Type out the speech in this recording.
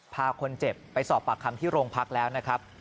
พาคนเจ็บไปสอบปากคำที่โรงพักแล้วนะครับ